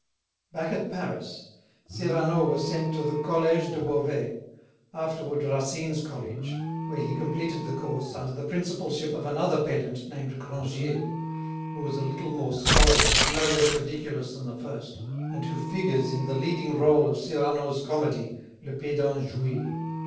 Back at Paris, Cyrano was sent to the Collège de Beauvais afterward Racine's college where he completed the course, under the principalship of another pedant named Grangier, who was a little more scholarly, but no less ridiculous than the first, and who figures in the leading rôle of Cyrano's comedy Le Pédant joué.